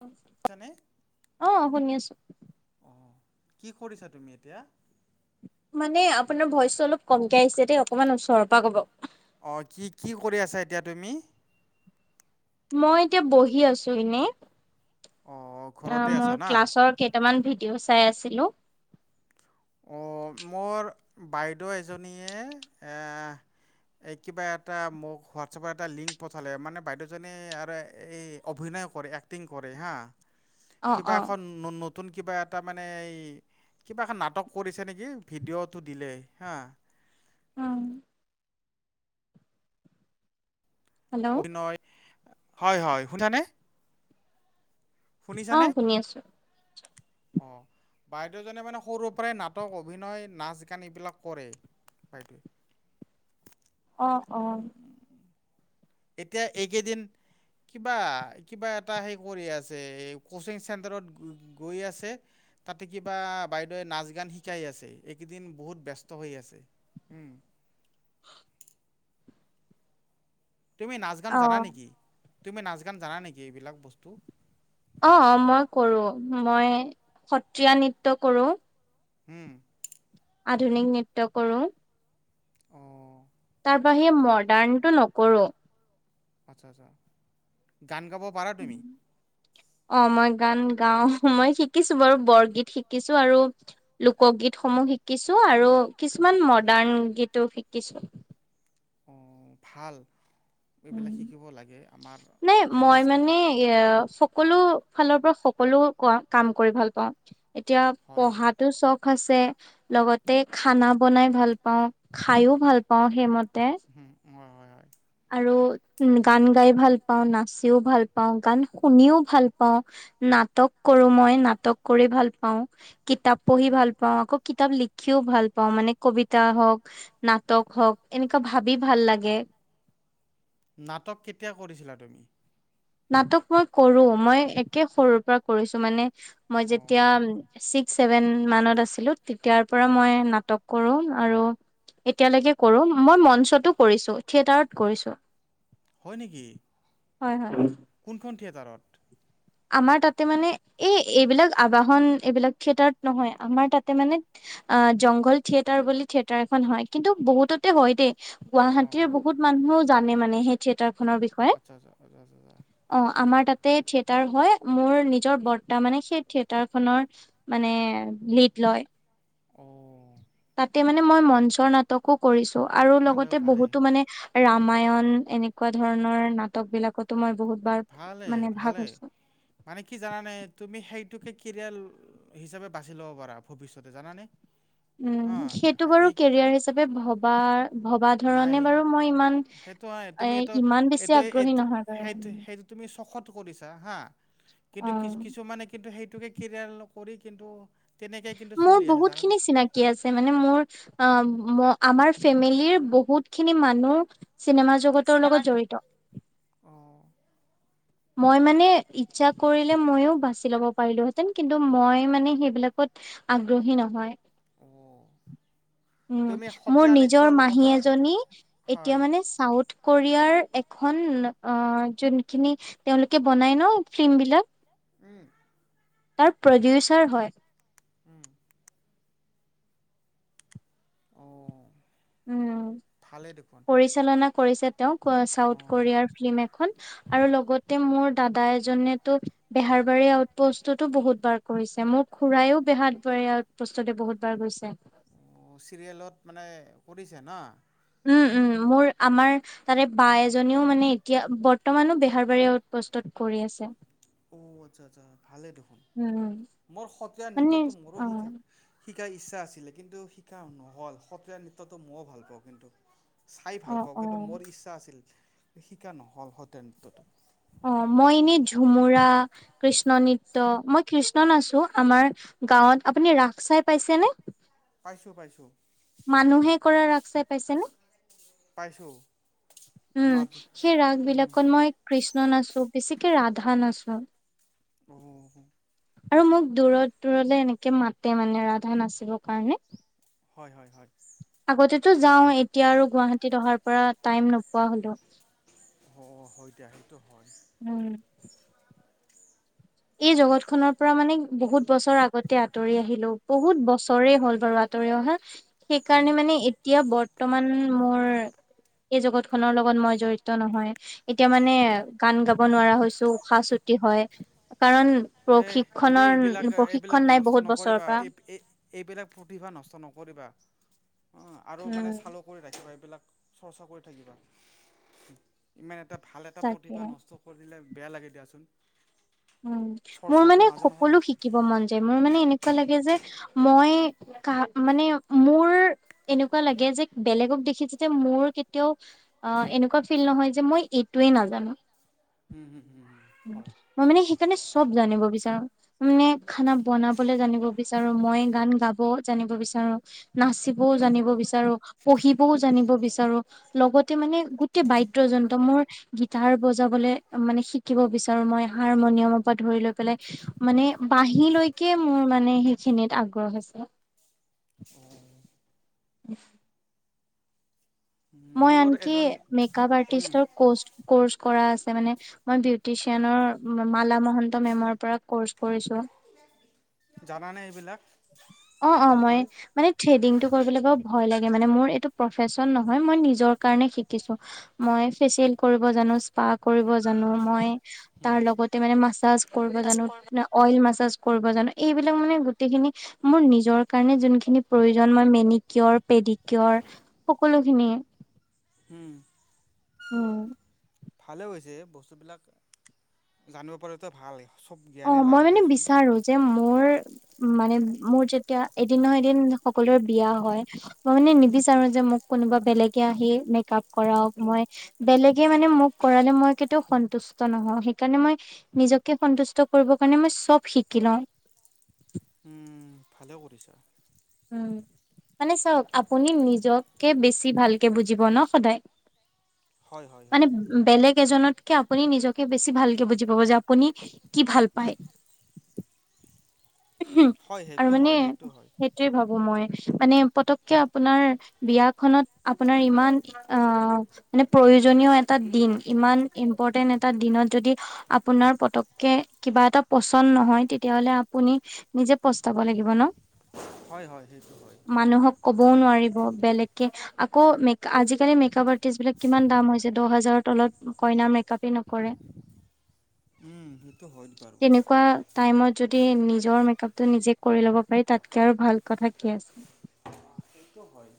অ যেনে অ' শুনি আছো। অ কি কৰিছা তুমি এতিয়া? মানে আপোনাৰ ভইচটো অলপ কমকে আহিছে দেই, অকণমান ওচৰৰ পৰা ক'ব। অ', কি কি কৰি আছা এতিয়া তুমি? মই এতিয়া বহি আছো এনেই, অঁ অ ঘৰতে মোৰ আছা না? ক্লাছত কেইটামান ভিডিঅ' চাই আছিলো। অ মোৰ বাইদেউ এজনীয়ে এ এই কিবা এটা মোক হোৱাটছআপত এটা লিংক পঠালে, মানে বাইদেউজনীয়ে আৰু এই অভিনয় কৰে, এক্টিং কৰে হা। অ কিবা অ এখন ন নতুন কিবা এটা মানে এই কিবা এখন নাটক কৰিছে নেকি ভিডিঅ'টো দিলে হা। অ হেল্ল' অভিনয়, হয় হয় শুনিছানে অ শুনিছানে? শুনি আছো অ বাইদেউজনীয়ে মানে সৰুৰ পৰাই নাটক, অভিনয়, নাচ-গান এইবিলাক কৰে বাইদেৱে। অ অ এতিয়া এইকেইদিন কিবা, কিবা এটা হেই কৰি আছে এই কচিং চেণ্টাৰত গৈ আছে। তাতে কিবা বাইদেৱে নাচ-গান শিকাই আছে, এইকেইদিন বহুত ব্যস্ত হৈ আছে। হ'ম। [inaudible] তুমি নাচ-গান অ জানা নেকি? তুমি নাচ-গান জানা এইবিলাক বস্তু? অঁ, মই কৰোঁ। মই সত্ৰীয়া নৃত্য কৰোঁ। উম। আধুনিক নৃত্য কৰোঁ। অঁ। তাৰবাহিৰে মডাৰ্ণ টো নকৰোঁ। আচ্ছা -আচ্ছা, গান গাব পাৰা তুমি? অঁ, মই গান গাওঁ। মই শিকিছোঁ বাৰু বৰগীত শিকিছোঁ আৰু- লোকগীতসমূহ শিকিছো আৰু কিছুমান মডাৰ্ণ গীতো শিকিছোঁ। অঁ, ভাল এইবিলাক শিকিব লাগে আমাৰ নাই মই সংস্কৃ- মানে এ সকলো ফালৰ পৰা সকলো ক -কাম কৰি ভাল পাওঁ। এতিয়া হয়, হয়, পঢ়াতো চখ আছে। লগতে খানা বনাই ভাল পাওঁ, খাইও ভাল পাওঁ সেইমতে। উম, হয়- হয়। হয়। আৰু গান গাই ভাল পাওঁ, নাচিও ভাল পাওঁ, গান শুনিও ভাল পাওঁ। নাটক কৰো মই, নাটক কৰি ভাল পাওঁ। কিতাপ পঢ়ি ভাল পাওঁ, আকৌ কিতাপ লিখিও ভাল পাওঁ মানে কবিতা হওঁক- নাটক হওঁক এনেকুৱা ভাবি ভাল লাগে। নাটক কেতিয়া কৰিছিলা তুমি? নাটক মই কৰো, মই একে সৰুৰ পৰা কৰিছো মানে মই যেতিয়া- অঁ। ছিক্স ছেভেন মানত আছিলো তেতিয়াৰ পৰা মই নাটক কৰোঁ আৰু- এতিয়ালৈকে কৰো, মই মঞ্চতো কৰিছো, থিয়েটাৰত কৰিছো। হয় নেকি, হয় হয় কোনখন থিয়েটাৰত? আমাৰ তাতে মানে এই এইবিলাক আবাহন এইবিলাক থিয়েটাৰত নহয়, আমাৰ তাতে মানে- অঁ, জংঘল থিয়েটাৰ বুলি থিয়েটাৰ এখন হয় কিন্তু বহুততে হয় দেই। অঁ গুৱাহাটীৰ বহুত মানুহও জানে মানে সেই থিয়েটাৰ খনৰ বিষয়ে। আচ্ছা আচ্ছা আচ্ছা আচ্ছা আচ্ছা। অঁ, আমাৰ তাতে থিয়েটাৰ হয়। মোৰ নিজৰ বৰ্তা মানে সেই থিয়েটাৰ খনৰ- মানে লিদ লয়। অঁ। তাতে মানে মই মঞ্চৰ নাটকো কৰিছো আৰু ভালে লগতে ভালে বহুতো মানে- ৰামায়ন এনেকুৱা ধৰণৰ নাটক বিলাকতো মই বহুত- বাৰ ভালে, মানে ভাগ ভালে হৈছো মানে কি জানানে? তুমি সেইটোকে কেৰিয়াৰ- হিচাপে বাচি ল'ব পাৰা ভৱিষ্যতে জানানে? উম, হা সেইটো বাৰু এই কেৰিয়াৰ হিচাপে ভবা- ভবা নাই ধৰণে বাৰু মই ইমান সেইটো হয় এ তুমি এইটো ইমান বেছি এইটো আগ্ৰহী এইটো নহয়। বাৰু। সেইটো- সেইটো তুমি চখত কৰিছা হা। কিন্তু কি- অ', কিছুমানে- কিন্তু সেইটোকে কেৰিয়াৰ কৰি কিন্তু- তেনেকে কিন্তু মোৰ চলি আছে বহুত জানানে? খিনি চিনাকি- আছে মানে মোৰ অঁ, আমাৰ ফেমিলিৰ বহুত খিনি মানুহ- চিনেমা জগতৰ লগত জড়িত। অঁ। মই মানে ইচ্ছা কৰিলে মইয়ো বাচি ল'ব পাৰিলোহেঁতেন কিন্তু মই মানে সেইবিলাকত- আগ্ৰহী নহয়। অঁ। উম তুমি মোৰ সত্ৰীয়া নিজৰ নৃত্যৰ মাহী কথা এজনী এতিয়া হয় মানে চাউথ কোৰিয়াৰ এখন যোনখিনি তেওঁলোকে বনাই ন ফিল্ম বিলাক। উম। তাৰ প্ৰডিউচাৰ হয়। উম। অঁ। উম, ভালেই দেখোন পৰিচালনা কৰিছে তেওঁ চাউথ অঁ কোৰিয়াৰ ফিল্ম এখন। আৰু লগতে মোৰ দাদা এজনেতো বেহাৰবাৰী আউট পষ্টতো বহুত বাৰ কৰিছে মোক খুৰাইও বেহাৰ বাৰী আউটপষ্টতে বহুত বাৰ গৈছে। চিৰিয়েলত মানে কৰিছে ন। উম উম, মোৰ আমাৰ তাৰে বা এজনীও মানে এতিয়া বৰ্তমানো বেহাৰবাৰী আউটপোষ্টত কৰি আছে। অ'আচ্ছা, আচ্ছা, ভালেই দেখোন? উম, মোৰ সত্ৰীয়া মানে নৃত্যটো মোৰো অ'। শিকা শিকাৰ ইচ্ছা আছিলে, কিন্তু, শিকা নহ'ল সত্ৰীয়া নৃত্যটো ময়ো ভাল পাওঁ কিন্তু, চাই অ ভাল পাওঁ, অ কিন্তু মোৰ ইচ্ছা আছিল শিকা নহ'ল! অ'মই এনে ঝুমুৰা কৃষ্ণ নৃত্য, মই কৃষ্ণ নাছো আমাৰ গাঁৱত আপুনি ৰাস চাই পাইছেনে? পাইছোঁ, পাইছোঁ। মানুহে কৰা ৰাস চাই পাইচানে? পাইছোঁ উম, মাজ সেই ৰাগ বিলাকত মই কৃষ্ণ নাচো, বেছিকে ৰাধা নাচো। অ'। আৰু মোক দূৰত দূৰলৈ এনেকে মাতে মানে ৰাধা নাচিবৰ কাৰণে? হয়, হয়, হয়। আগতেতো যাও, এতিয়া আৰু গুৱাহাটীত অহাৰ পৰা টাইম নোপোৱা হলো। অ'হয় দিয়া, সেইটো হয়। উম। এই জগত খনৰ পৰা মানে বহুত বছৰ আগতে আঁতৰি আহিলো, বহুত বছৰে হ'ল বাৰু। আঁতৰি অহা, উম। সেইকাৰণে এতিয়া বৰ্তমান মোৰ এই জগত খনৰ লগত মই জড়িত নহয়। এতিয়া মানে গান গাব নোৱাৰা হৈছো, উশাহ চুটি হয় কাৰণ এ এইবি প্ৰশিক্ষণৰ এইবিলাক, এইবিলাক প্ৰশিক্ষণ নাই নষ্ট বহুত বছৰৰ নকৰিবা, পৰা এই এইবিলাক প্ৰতিভা নষ্ট নকৰিবা আৰু মানে উম চালুক ৰাখিবা, এইবিলাক চৰ্চা কৰি থাকিবা ইমান এটা ভাল এটা তাকে প্ৰতিভা নষ্ট কৰি দিলে বেয়া লাগে দিয়াচোন মোৰ চৰ্চাটো মানে মাজে মাজে সকলো শিকিব মন যায়। মোৰ মানে এনেকুৱা লাগে যে মই ক মানে মোৰ এনেকুৱা লাগে যে বেলেগক দেখি যে মোৰ কেতিয়াও অ' এনেকুৱা ফিল নহয় যে মই এইটোৱে নাজানো? হুম, হুম, হুম, হু মই মানে সেইকাৰণে চব জানিব বিচাৰো? মানে খানা বনাবলৈ জানিব বিচাৰো মই গান গাব জানিব বিচাৰো। নাচিবও জানিব বিচাৰো, পঢ়িবও জানিব বিচাৰো। লগতে মানে গোটেই বাদ্যযন্ত্ৰ মোৰ গীটাৰ বজাবলে মানে শ শিকিব বিচাৰোঁ মই হাৰমনিয়ামৰ পৰা ধৰি লৈ পেলাই মানে বাহী লৈকে মোৰ মানে সেইখিনিত আগ্ৰহ আছে। অ'। [inaudible] মই মোৰ আনকি এজন মেক-আপ হুম আৰ্টিষ্টৰ কছ- কৰ্চ কৰা আছে মানে মই বিউটিচিয়ানৰ ম- মালা মহন্ত মেমৰ পৰা কৰ্চ কৰিছোঁ। জানানে এইবিলাক? অ', অ', মই ভালকৈ মানে থ্ৰেডিংটো কৰিবলৈ বৰ ভয় লাগে, মানে মোৰ এইটো প্ৰফেছন নহয়, মই নিজৰ কাৰণে শিকিছোঁ। মই ফেচিয়েল কৰিব জানো, স্পা কৰিব জানো, মই হুম তাৰ লগতে মানে মাছাজ কৰিব জানো, অইল মাছাজ কৰিব জানো, এইবিলাক মানে গোটেইখিনি মোৰ নিজৰ কাৰণে যোনখিনি প্ৰয়োজন মই মেনিকিয়ৰ, পেডিকিয়ৰ, সকলোখিনি হুম। উম। ভালে হৈছে বস্তুবিলাক জানিব পৰাটো ভাল চব অ' জ্ঞানেই মই লাগে মানে দিয়াচোন বিচাৰোঁ যে মোৰ মানে মোৰ যেতিয়া এদিন নহয় এদিন সকলোৰে বিয়া হয় মই মানে নিবিচাৰোঁ যে মোক কোনোবা বেলেগে আহি মেক-আপ কৰাওঁক, মই বেলেগে মানে মোক কৰালে মই কেতিয়াও সন্তুষ্ট নহওঁ। সেইকাৰণে মই নিজকে সন্তুষ্ট কৰিব কাৰণে মই চব শিকি লওঁ। উম, ভালে কৰিছা। উম, মানে চাওঁক, আপুনি নিজকে বেছি ভালকে বুজিব ন' সদায়। হয় হয় মানে হয় বেলেগ এজনতকে আপুনি নিজকে বেছি ভালকে বুজি পাব যে আপুনি কি ভাল পায়। হু হয় আৰু সেইটো মানে হয় সেইটো হয় সে টোৱে ভাবো মই, মানে পটক্কে আপোনাৰ বিয়াখনত আপোনাৰ ইমান অ' মানে প্ৰয়োজনীয় এটা দিন, ইমান ইম্পৰ্টেণ্ট এটা দিনত যদি আপোনাৰ পটক্কে কিবা এটা পচন্দ নহয়, তেতিয়া হ'লে আ পুনি নিজে পস্তাব লাগিব ন'। হয়, হয়, সেইটো হয়। মানুহক ক'বও নোৱাৰিব বেলেগকে আকৌ মেক- আজিকালি মেকআপ আৰ্টিষ্টবিলাক কিমান দাম হৈছে! দহ হাজাৰৰ তলত কইনাৰ মেকআপে নকৰে। উম, সেইটো হয়ত বাৰু। তেনেকুৱা টাইমত যদি নিজৰ মেকআপটো নিজে কৰি ল'ব পাৰি, তাতকে আৰু ভাল কথা কি আছে। সেইটো হয়।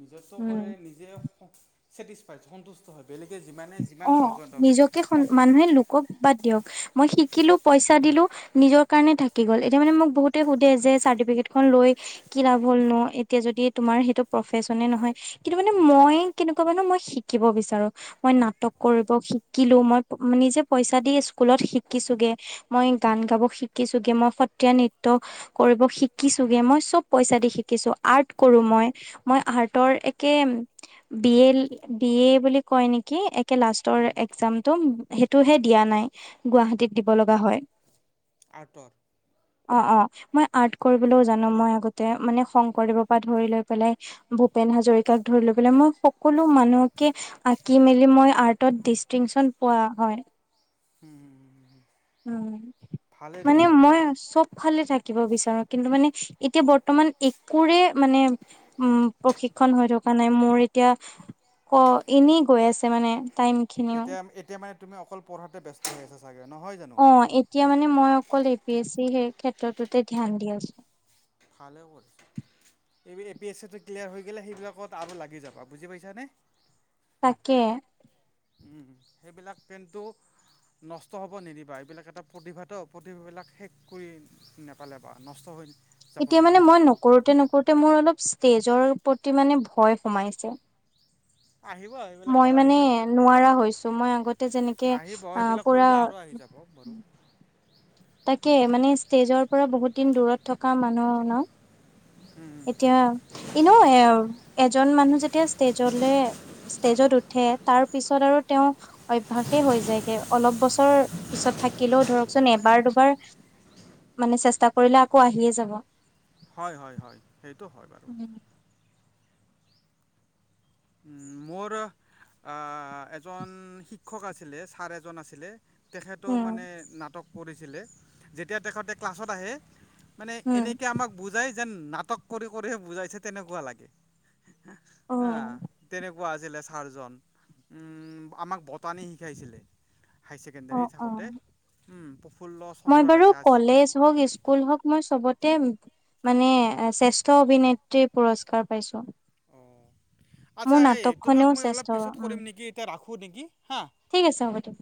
নিজৰটো উম কৰি নিজে স- ছেটিছফাইড সন্তু স্ত হয়, বেলেগে যিমানে যিমান ভাল কৰে [unintelligible] কক, বাদ দিয়ক। মই শিকিলো, পইচা দিলো নিজৰ কাৰণে থাকি গ'ল। এতিয়া মানে মোক বহুতে সোধে যে, চাৰ্টিফিকেটখন লৈ কি লাভ হ'ল নো, এতিয়া যদি তোমাৰ সেইটো প্ৰফেছনে নহয় কিন্তু মানে মই কেনেকুৱা মানুহ, মই শিকিব বিচাৰোঁ মই নাটক কৰিব শিকিলোঁ, মই- নিজে পইচা দি স্কুলত শিকিছোঁগে, মই গান গাব শিকিছোঁগে, মই সত্ৰীয়া নৃত্য কৰিব শিকিছোঁগে, মই চব পইচা দি শিকিছোঁ, আৰ্ট কৰোঁ মই, মই আৰ্টৰ একেম বি এল- ডি এ বুলি কয় নে কি, একে লাষ্টৰ এক্সামটো? সেইটোহে দিয়া নাই। গুৱাহাটীত দিব লগা হয়। আৰ্টৰ অ', অ'। মই আৰ্ট কৰিবলৈও জানো। মই আগতে মানে শংকৰদেৱৰ পৰা ধৰি লৈ পেলাই ভূপেন হাজৰিকাক ধৰি লৈ পেলাই মই সকলো মানুহকে আ কি মেলি মই আৰ্টত ডিষ্টিংচন পোৱা হয়। হুম। উম, মানে মই চব ফালে থাকিব বিচাৰোঁ। কিন্তু মানে এতিয়া বৰ্তমান একোৰে মানে উম, প্ৰশিক্ষণ হৈ থকা নাই। মোৰ এতিয়া, ক এনেই গৈ আছে মানে। টাইম খিনিও এতিয়া এতিয়া মানে তুমি অকল পঢ়াতে ব্যস্ত হৈ আছা চাগে নহয় জানো? অ'। এতিয়া মানে মই অকল এ পি এছ চি সেই ক্ষেত্ৰতোতে ধ্যান দি আছোঁ। ভালে কৰিছ। এই এ পি এছ চিটো ক্লিয়াৰ হৈ গেলে সেইবিলাকত আৰু লাগি যাবা। বুজি পাইছানে? তাকে। উম, সেইবিলাক কিন্তু নষ্ট হ'ব নিদিবা। এইবিলাক এটা প্ৰতিভাটো, প্ৰতিভাবিলাক শেষ কৰি নেপেলাবা। নষ্ট হৈ যাব এতিয়া মানে নিদিবা মই নকৰোতে নকৰোতে মোৰ অলপ ষ্টেজৰ প্ৰতি মানে ভয় সোমাইছে। আহিব আ মই মানে নোৱাৰা হৈছো। মই আগতে যেনে আহিব। এইবিলাক কৰিলে আৰু আহি যাব বাৰু। তাকেই। মানে ষ্টেজৰ পৰা বহুত দিন দূৰত থকা মানুহ ন'? এতিয়া এনেও এ এজন মানুহ যেতিয়া ষ্টেজ'লে ষ্টেজ'ত উঠে তাৰ পিছত আৰু তেওঁ অভ্যাসে হৈ যায়গে। অলপ বছৰ পিছত থাকিলেও ধৰকচোন এবাৰ দুবাৰ মানে চেষ্টা কৰিলে আকৌ আহিয়ে যাব। হয়, হয়, হয়। সেইটো হয় বাৰু। [inaudible] উম, মোৰ আ এজন শিক্ষক আছিলে, ছাৰ এজন আছিলে। তেখেতো মানে নাটক কৰিছিলে। যেতিয়া তেখেতে ক্লাছত আহে মানে উম, এনেকে আমাক বুজাই যেন নাটক কৰি কৰিহে বুজাইছে তেনেকুৱা লাগে। অ', আ তেনেকুৱা আছিলে ছাৰজন। উম আমাক বটানি শিকাইছিলে। হাই ছেকেণ্ডাৰী অ', থাকোতে। অ', উম প্ৰফুল্ল চন্দ্ৰ ডেকা আছ ফেচবুক ইউজ কুল হক মই চবতে মানে শ্ৰেষ্ঠ অভিনেত্ৰী পুৰস্কাৰ পাইছো। অ' আচ্ছা, এই তোমাক মই অলপ শ্ৰেষ্ঠ পিছত উম, কৰিম নেকি এতিয়া ৰাখোঁ নেকি হা। ঠিক আছে হ'ব দিয়ক।